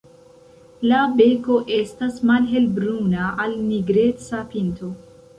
La beko estas malhelbruna al nigreca pinto.